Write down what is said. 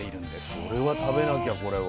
それは食べなきゃこれは。